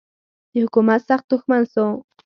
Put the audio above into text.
د حکومت سخت دښمن سو.